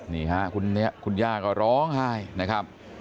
นี่ค่ะคุณย่าก็ร้องไห้นะครับ